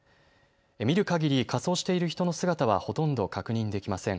見るかぎり仮装している人の姿はほとんど確認できません。